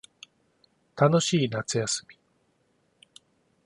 楽しい夏休み